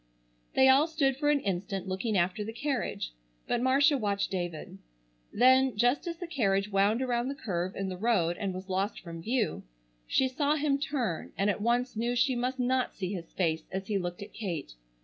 They all stood for an instant looking after the carriage, but Marcia watched David. Then, just as the carriage wound around the curve in the road and was lost from view, she saw him turn, and at once knew she must not see his face as he looked at Kate.